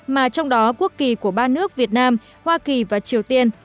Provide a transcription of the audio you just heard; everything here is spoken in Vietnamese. mà trong đó quốc kỳ của ba nước việt nam hoa kỳ và triều tiên